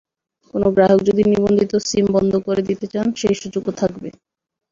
কোনো গ্রাহক যদি নিবন্ধিত সিম বন্ধ করে দিতে চান, সেই সুযোগও থাকবে।